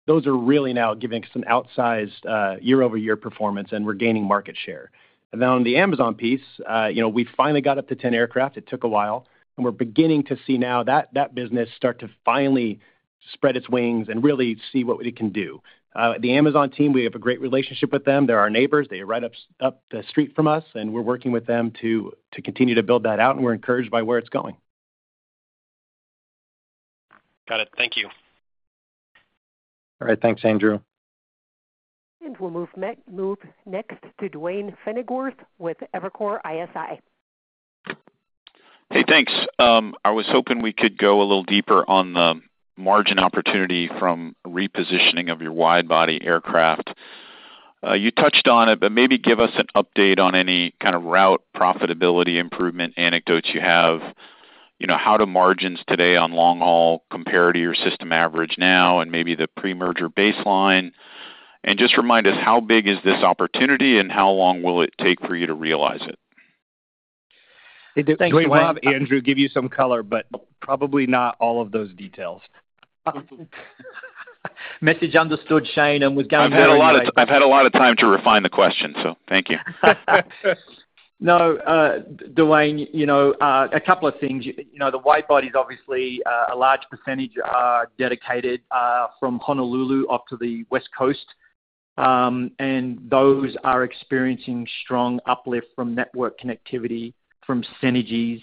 Those are really now giving us an outsized year-over-year performance and we're. Gaining market share now on the Amazon. Piece, you know, we finally got up to 10 aircraft. It took a while, and we're beginning to see now that that business start to finally spread its wings and really see what we can do. The Amazon team, we have a great relationship with them. They're our neighbors. They are right up the street from us, and we're working with them to continue to build that out, and we're encouraged by where it's going. Got it. Thank you. All right, thanks Andrew. We will move next to Duane Pfennigwerth with Evercore ISI. Hey, thanks. I was hoping we could go a little deeper on the margin opportunity from repositioning of your widebody aircraft. You touched on it, but maybe give us an update on any kind of route profitability improvement anecdotes you have. How are the margins today on long-haul? Compare to your system average now and maybe the pre-merger baseline. Remind us how big is this opportunity. How long will it take for you to realize it? Thanks. Andrew will give you some color, but probably not all of those details. Message understood, Shane. I've had a lot of. Time to refine the question, so thank you. No, Duane, a couple of things. The widebody is obviously a large percentage dedicated from Honolulu up to the West Coast, and those are experiencing strong uplift from network connectivity, from synergies,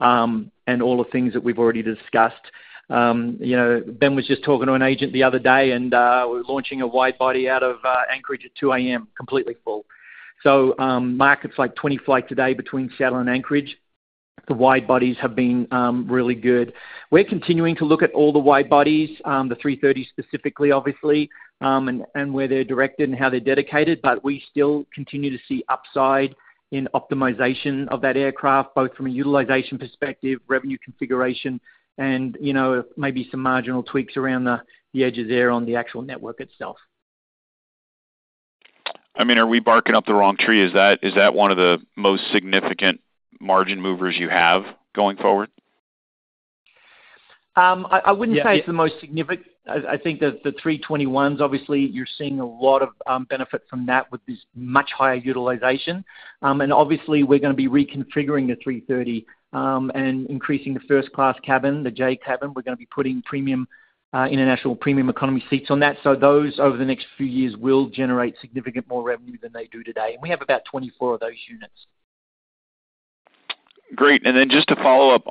and all the things that we've already discussed. Ben was just talking to an agent the other day, and we're launching a widebody out of Anchorage at 2:00 A.M. completely full. Markets like 20 flights a day between Seattle and Anchorage, the widebodies have been really good. We're continuing to look at all the widebodies, the 330 specifically, obviously, and where they're directed and how they're dedicated. We still continue to see upside in optimization of that aircraft, both from a utilization perspective, revenue configuration, and maybe some marginal tweaks around the edge of there on the actual network itself. I mean, are we barking up the wrong tree? Is that one of the most significant margin movers you have going forward? I wouldn't say it's the most significant. I think that the 321s, obviously you're seeing a lot of benefit from that with this much higher utilization. We're going to be reconfiguring the 330 and increasing the first class cabin, the J cabin. We're going to be putting premium international, premium economy seats on that. Over the next few years, those will generate significantly more revenue than they do today. We have about 24 of those units. Great. To follow up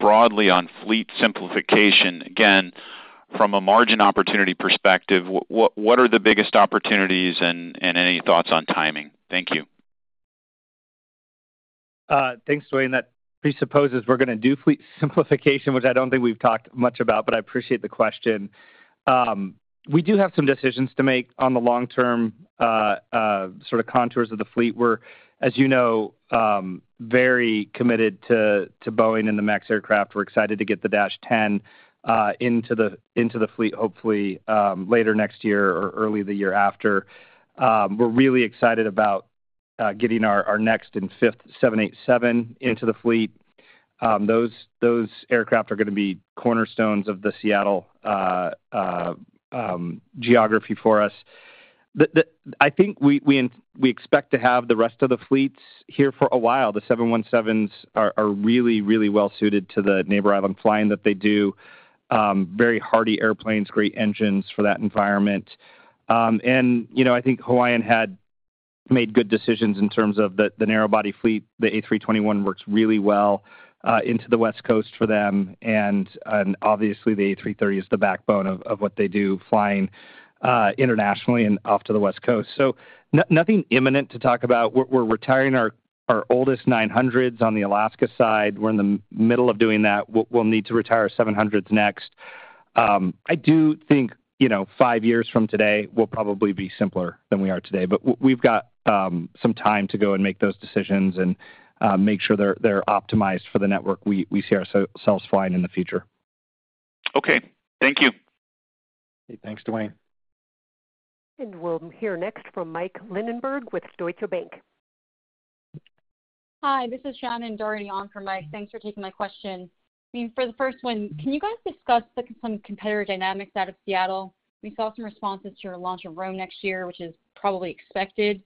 broadly on fleet simplification, again from a margin opportunity perspective, what are the biggest opportunities and any thoughts on timing? Thank you. Thanks, Duane. That presupposes we're going to do fleet simplification, which I don't think we've talked much about, but I appreciate the question. We do have some decisions to make on the long-term contours of the fleet. We're, as you know, very committed to Boeing and the Max aircraft. We're excited to get the -10 into the fleet, hopefully later next year or early the year after. We're really excited about getting our next and fifth 787 into the fleet. Those aircraft are going to be cornerstones of the Seattle geography for us. I think we expect to have the rest of the fleets here for a while. The 717s are really, really well-suited to the neighbor island flying that they do. Very hardy airplanes, great engines for that environment. I think Hawaiian had made good decisions in terms of the narrow-body fleet. The A321 works really well into the West Coast for them, and obviously the A330 is the backbone of what they do flying internationally and off to the West Coast. Nothing imminent to talk about. We're retiring our oldest 900s on the Alaska side. We're in the middle of doing that. We'll need to retire 700s next. I do think five years from today we'll probably be simpler than we are today, but we've got some time to go and make those decisions and make sure they're optimized for the network we see ourselves flying in the future. Thank you. Thanks, Duane. We will hear next from Mike Linenberg with Deutsche Bank. Hi, this is Shannon Doherty on for Mike. Thanks for taking my question. For the first one, can you guys discuss some competitor dynamics out of Seattle? We saw some responses to your launch of Rome next year, which is probably expected.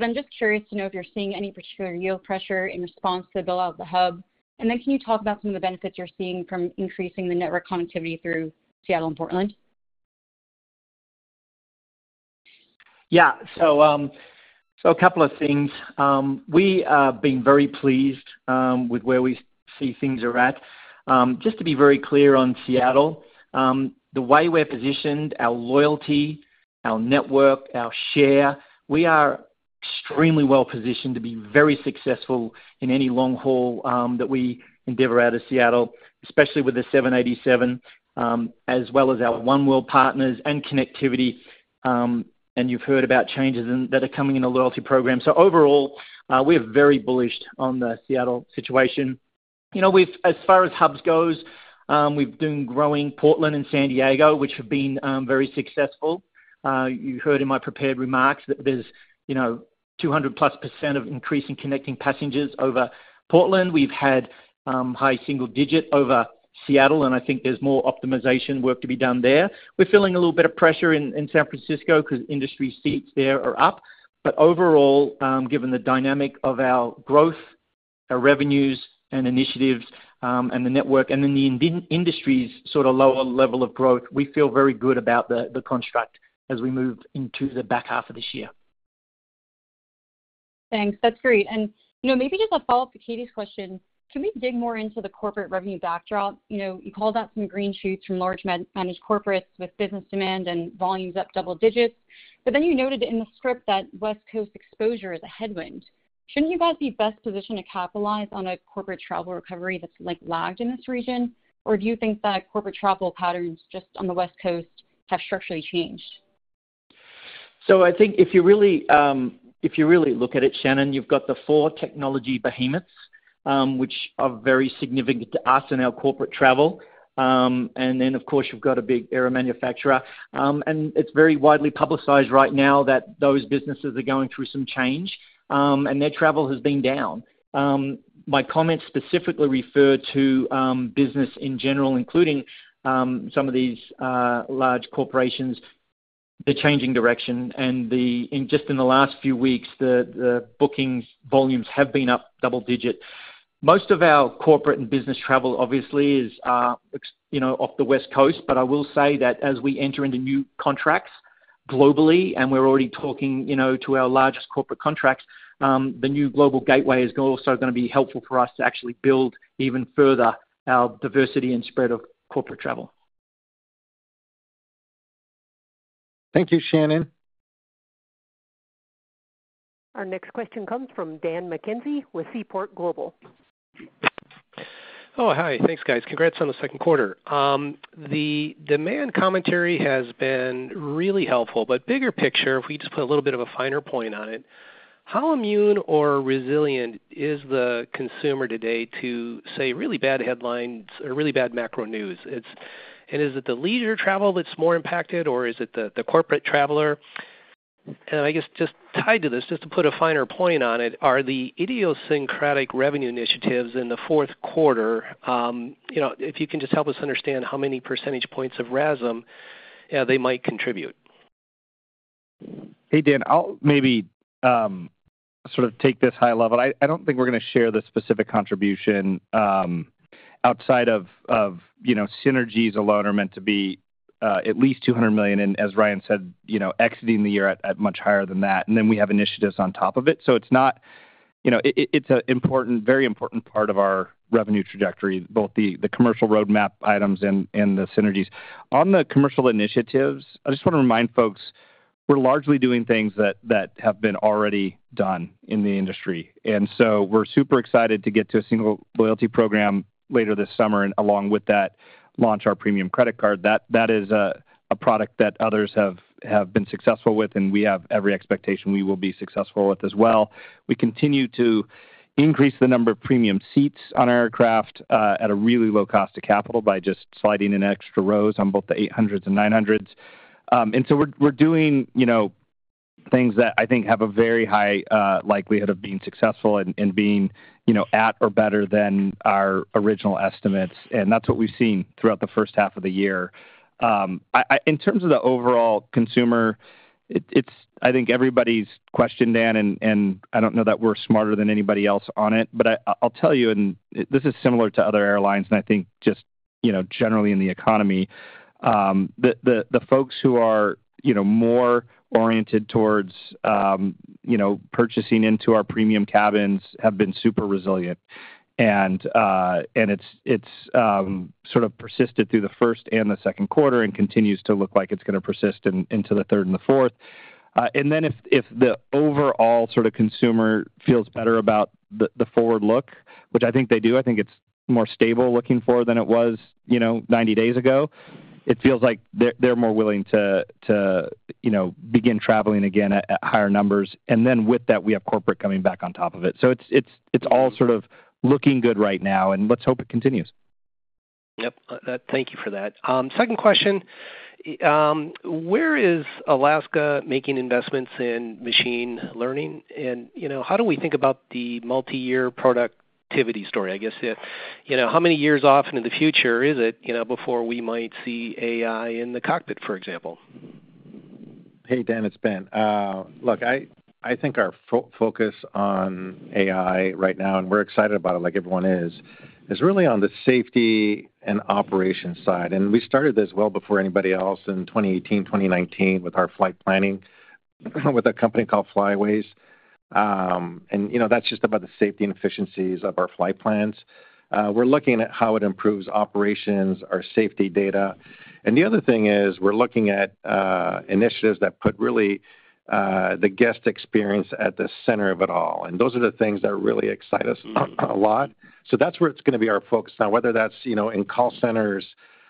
I'm just curious to know if you're seeing any particular yield pressure in response to build out of the hub. Can you talk about some of the benefits you're seeing from increasing the network connectivity through Seattle and Portland? Yeah, so a couple of things. We have been very pleased with where we see things are at. Just to be very clear on Seattle. The way we're positioned, our loyalty, our network, our share, we are extremely well positioned to be very successful in any long-haul that we endeavor out of Seattle, especially with the 787 as well as our oneworld partners and connectivity. You've heard about changes that are coming in a loyalty program. Overall, we're very bullish on the Seattle situation. As far as hubs go, we've been growing Portland and San Diego, which have been very successful. You heard in my prepared remarks that there's 200%+ of increasing connecting passengers over Portland. We've had high single digit over Seattle and I think there's more optimization work to be done there. We're feeling a little bit of pressure in San Francisco because industry seats there are up. Overall, given the dynamic of our growth, revenues and initiatives and the network and then the industry's sort of lower level of growth, we feel very good about the construct as we move into the back half of this year. Thanks, that's great. Maybe just a follow up to Catie's question, can we dig more into the corporate revenue backdrop? You called out some green shoots from large managed corporates with business demand and volumes up double digits. You noted in the script that West Coast exposure is a headwind. Shouldn't you guys be best positioned to capitalize on a corporate travel recovery that's lagged in this region? Do you think that corporate travel patterns just on the West Coast have structurally changed? I think if you really look at it, Shannon, you've got the four technology behemoths which are very significant to us in our corporate travel. Of course, you've got a big aircraft manufacturer. It's very widely publicized right now that those businesses are going through some change and their travel has been down. My comments specifically refer to business in general, including some of these large corporations. They're changing direction and just in the last few weeks the bookings volumes have been up double digit. Most of our corporate and business travel obviously is off the West Coast. I will say that as we enter into new contracts globally and we're already talking to our largest corporate contracts, the new global gateway is also going to be helpful for us to actually build even further our diversity and spread of corporate travel. Thank you, Shannon. Our next question comes from Dan McKenzie with Seaport Global. Oh, hi. Thanks, guys. Congrats on the second quarter. The demand commentary has been really helpful. If we just put a little bit of a finer point on it, how immune or resilient is the consumer today to say really bad headlines or really bad macro news? Is it the leisure travel that's. More impacted or is it the corporate traveler? I guess just tied to this. Just to put a finer point on it, are the idiosyncratic revenue initiatives in the fourth quarter. If you can just help us understand how many percentage points of RASM they might contribute. Hey Dan, I'll maybe sort of take this high level. I don't think we're going to share the specific contribution outside of, you know, synergies alone are meant to be at least $200 million and as Ryan said, you know, exiting the year at much higher than that. We have initiatives on top of it. It's an important, very important part of our revenue trajectory, both the commercial roadmap items and the synergies. On the commercial initiatives. I just want to remind folks, we're largely doing things that have been already done in the industry and we're super excited to get to a single loyalty program later this summer and along with that, launch our premium credit card. That is a product that others have been successful with and we have every expectation we will be successful with as well. We continue to increase the number of premium seats on our aircraft at a really low cost of capital by just sliding in extra rows on both the 800s and 900s. We're doing things that I think have a very high likelihood of being successful and being at or better than our original estimates. That's what we've seen throughout the first half of the year. In terms of the overall consumer, I think everybody's question, Dan, and I don't know that we're smarter than anybody else on it, but I'll tell you, this is similar to other airlines and I think just generally in the economy. The. Folks who are more oriented towards purchasing into our premium cabins have been super resilient, and it's sort of persisted through the first and the second quarter and continues to look like it's going to persist into the third and the fourth. If the overall consumer feels better about the forward look, which I think they do, I think it's more stable looking forward than it was 90 days ago. It feels like they're more willing to begin traveling again at higher numbers. With that, we have corporate coming back on top of it. It's all looking good right now, and let's hope it continues. Thank you for that. Second question. Where is Alaska making investments in machine learning? How do we think about the. Multi-year productivity story? I guess how many years off into the future is it before we might see AI in the cockpit, for example? Hey Dan, it's Ben. I think our focus on AI right now, and we're excited about it like everyone is, is really on the safety and operations side. We started this well before anybody else in 2018, 2019 with our flight planning with a company called Flyways, and that's just about the safety and efficiencies of our flight plans. We're looking at how it improves operations, our safety data. The other thing is we're looking at initiatives that put really the guest experience at the center of it all. Those are the things that really excite us a lot. That's where it's going to be our focus now. Whether that's in call centers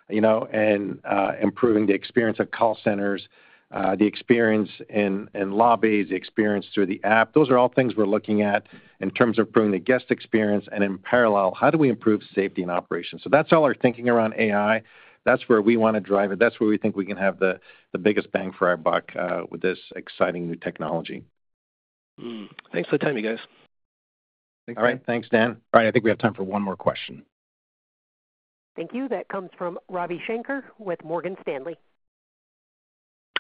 and improving the experience of call centers, the experience in lobbies, the experience through the app, those are all things we're looking at in terms of bringing the guest experience. In parallel, how do we improve safety and operations? That's all our thinking around AI. That's where we want to drive it. That's where we think we can have the biggest bang for our buck with this exciting new technology. Thanks for the time, you guys. All right. Thanks, Dan. All right, I think we have time for one more question. Thank you. That comes from Ravi Shanker with Morgan Stanley.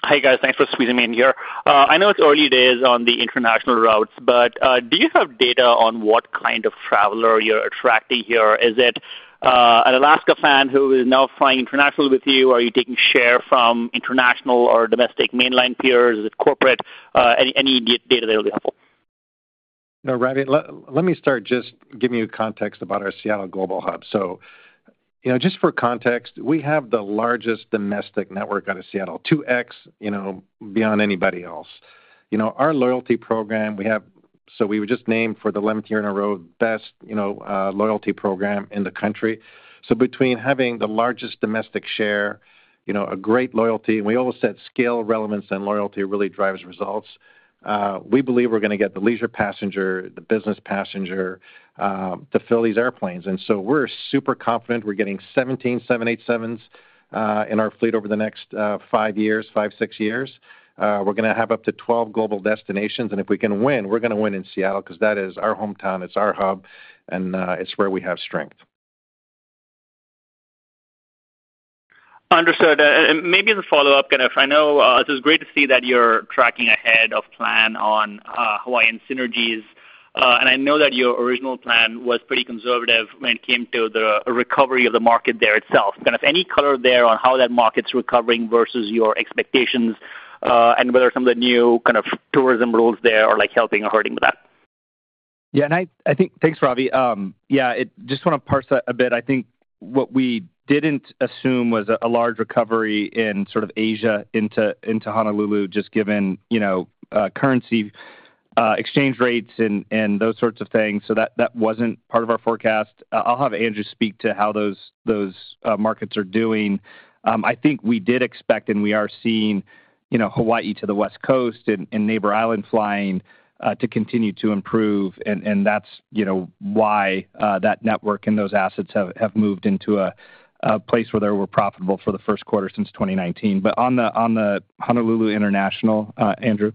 Hi, guys. Thanks for squeezing me in here. I know it's early days on the international routes, but do you have data on what kind of traveler you're attracting here? Is it an Alaska fan who is now flying international with you? Are you taking share from international or domestic mainline peers? Is it corporate? Any data that will be helpful. Ravi, let me start just giving you context about our Seattle global hub. Just for context, we have the largest domestic network out of Seattle, 2x beyond anybody else. Our loyalty program, we were just named for the 11th year in a row, best loyalty program in the country. Between having the largest domestic share, a great loyalty, and we always said scale, relevance, and loyalty really drives results, we believe we're going to get the leisure passenger, the business passenger to fill these airplanes. We're super confident we're getting 17 787s in our fleet over the next five years, five, six years. We're going to have up to 12 global destinations. If we can win, we're going to win in Seattle because that is our hometown, it's our hub, and it's where we have strength. Understood. Maybe as a follow up, and I know. It's great to see that you're. Tracking ahead of plan on Hawaiian synergies. I know that your original plan was pretty conservative when it came to the recovery of the market there itself. Any color there on how that market's recovering versus your expectations? Whether some of the new kind of. Tourism rules there are helping or hurting that. Yeah, I think. Thanks, Ravi. I just want to parse a bit. I think what we didn't assume was a large recovery in sort of Asia into Honolulu just given currency exchange rates and those sorts of things. That wasn't part of our forecast. I'll have Andrew speak to how those markets are doing. I think we did expect and we are seeing, you know, Hawaii to the West Coast and neighbor island flying to continue to improve. That's why that network and those assets have moved into a place where they were profitable for the first quarter since 2019. On the Honolulu International. Andrew.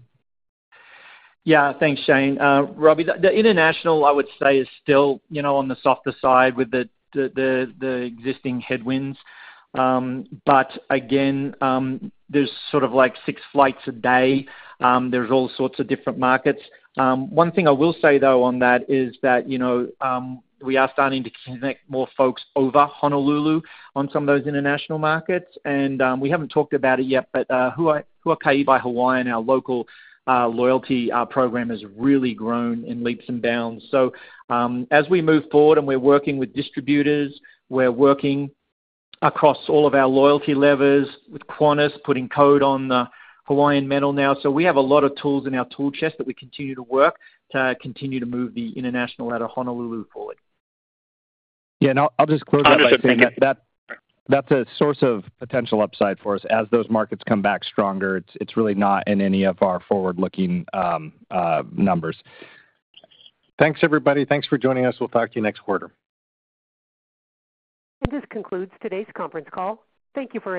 Yeah, thanks, Shane. Ravi, the international I would say is still, you know, on the softer side with the existing headwinds. There are sort of like six flights a day. There are all sorts of different markets. One thing I will say though on that is that, you know, we are starting to connect more folks over Honolulu, some of those international markets and we haven't talked about it yet, but Huakai by Hawaiian, our local loyalty program, has really grown in leaps and bounds. As we move forward and we're working with distributors, we're working across all of our loyalty levers with Qantas putting code on the Hawaiian metal now. We have a lot of tools in our tool chest that we continue to work to continue to move the international out of Honolulu forward. I'll just close. That's a source of potential upside for us as those markets come back stronger. It's really not in any of our forward-looking numbers. Thanks, everybody. Thanks for joining us. We'll talk to you next quarter. This concludes today's conference call. Thank you for attending.